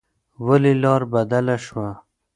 ولې لار بدله شوه؟